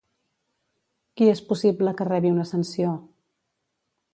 Qui és possible que rebi una sanció?